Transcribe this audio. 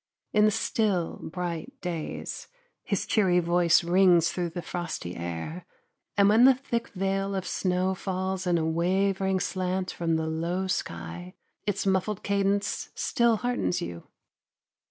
In the still, bright days, his cheery voice rings through the frosty air, and when the thick veil of the snow falls in a wavering slant from the low sky its muffled cadence still heartens you.